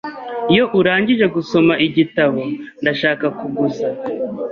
Iyo urangije gusoma igitabo, ndashaka kuguza.